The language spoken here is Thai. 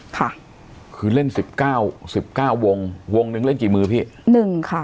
ค่ะคือเล่นสิบเก้าสิบเก้าวงวงนึงเล่นกี่มือพี่หนึ่งค่ะ